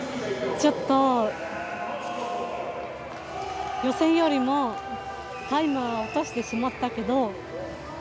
ちょっと、予選よりもタイムを落としてしまったけど。